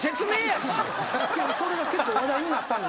それが結構話題になったんですよ。